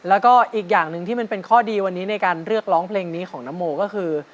แล้วก็อีกอย่างหนึ่งที่มันเป็นข้อดีวันนี้ในการเลือกร้องเพลงนี้ของนโมก็คือ